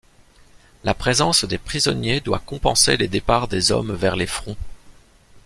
La présence des prisonniers doit compenser les départs des hommes vers les fronts.